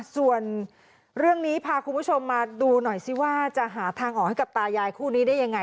ส่วนเรื่องนี้พาคุณผู้ชมมาดูหน่อยซิว่าจะหาทางออกให้กับตายายคู่นี้ได้ยังไง